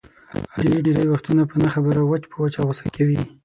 علي ډېری وختونه په نه خبره وچ په وچه غوسه کوي.